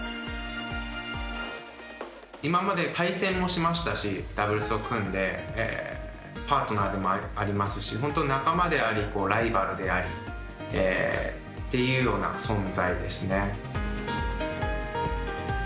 今まで対戦もしましたしダブルスを組んでパートナーでもありますし本当に仲間でありライバルでありっていうような存在ですね。